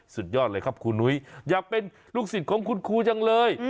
สุดยอดเลยครับครูนุ้ยอยากเป็นลูกศิษย์ของคุณครูจังเลย